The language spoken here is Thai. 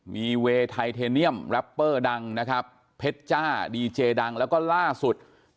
มีเวย์ไทเทเนียมแรปเปอร์ดังนะครับเพชรจ้าดีเจดังแล้วก็ล่าสุด